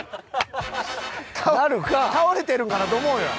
倒れてるんかなと思うやん。